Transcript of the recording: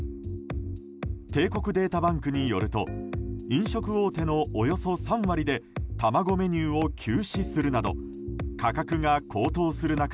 帝国データバンクによると飲食大手のおよそ３割で卵メニューを休止するなど価格が高騰する中